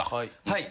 はい。